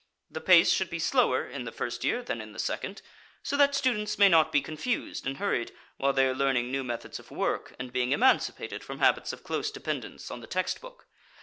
The pace should be slower in the first year than in the second, so that students may not be confused and hurried while they are learning new methods of work and being emancipated from habits of close dependence on the text book.